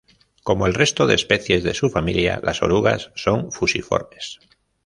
Como el resto de especies de su familia las orugas son fusiformes.